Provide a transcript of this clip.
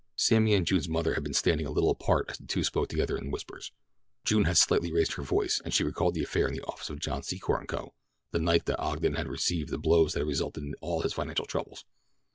Sammy and June's mother had been standing a little apart as the two spoke together in whispers. June had slightly raised her voice as she recalled the affair in the office of John Secor & Co. the night that Ogden had received the blows that had resulted in all his financial troubles.